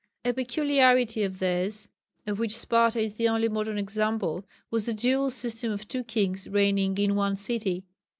A peculiarity of theirs, of which Sparta is the only modern example, was the dual system of two kings reigning in one city.